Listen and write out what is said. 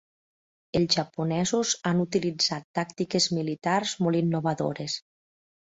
Els japonesos han utilitzat tàctiques militars molt innovadores.